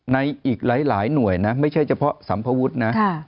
ในอีกหลายหน่วยนะไม่ใช่เฉพาะสัมภวุฒินะ